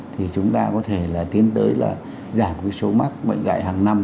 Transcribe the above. thì chúng ta có thể là tiến tới là giảm cái số mắc bệnh dạy hàng năm